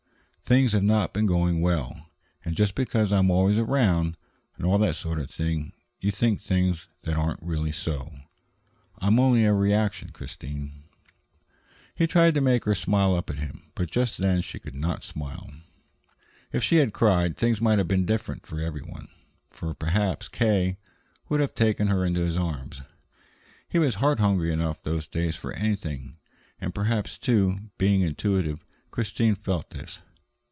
Things have not been going well, and just because I am always around, and all that sort of thing, you think things that aren't really so. I'm only a reaction, Christine." He tried to make her smile up at him. But just then she could not smile. If she had cried, things might have been different for every one; for perhaps K. would have taken her in his arms. He was heart hungry enough, those days, for anything. And perhaps, too, being intuitive, Christine felt this.